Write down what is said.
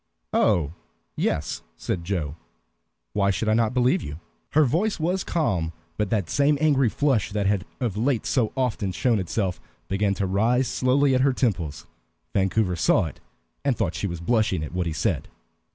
"Oh, yes," said Joe. "Why should I not believe you?" Her voice was calm, but that same angry flush that had of late so often shown itself began to rise slowly at her temples. Vancouver saw it, and thought she was blushing at what he said.